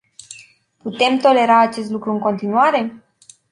Putem tolera acest lucru în continuare?